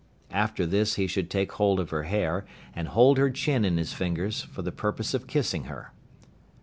After this he should take hold of her hair, and hold her chin in his fingers for the purpose of kissing her.